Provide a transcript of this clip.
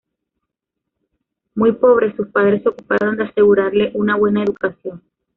Muy pobres, sus padres se ocuparon de asegurarle una buena educación.